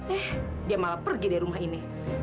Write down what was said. eh dia malah pergi dari rumah ini